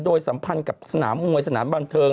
โดยสัมพันธ์กับสนามมวยสนามบันเทิง